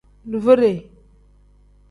Duvude.